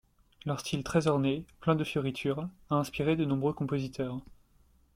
Leur style très orné, plein de fioritures, a inspiré de nombreux compositeurs.